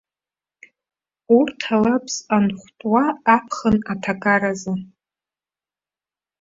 Урҭ, ала абз анхәтәуа аԥхын аҭакар азы.